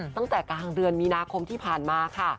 ตั้งแต่กลางเดือนมีนาคมที่ผ่านมาค่ะ